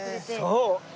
そう。